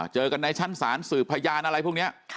เจอกันในชั้นศาลสืบพยานอะไรพวกนี้